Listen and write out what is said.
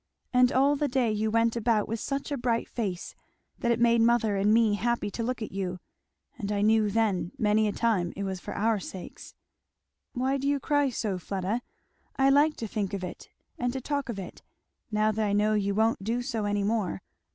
And all the day you went about with such a bright face that it made mother and me happy to look at you; and I knew then, many a time, it was for our sakes "Why do you cry so, Fleda? I like to think of it, and to talk of it, now that I know you won't do so any more.